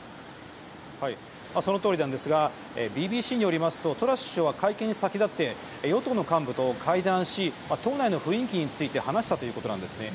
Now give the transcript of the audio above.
そのとおりなんですがＢＢＣによりますとトラス首相は会見に先立って与党の幹部と会談し、党内の雰囲気について話したということなんですね。